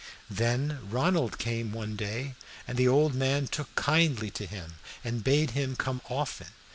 Then Ronald came one day, and the old man took kindly to him, and bade him come often.